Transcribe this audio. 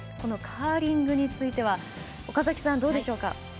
カーリングについては岡崎さん、どうでしょうか。